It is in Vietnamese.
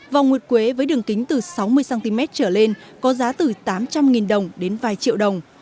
vòng nguyệt quế với đường kính từ sáu mươi cm trở lên có giá từ tám trăm linh đồng đến vài triệu đồng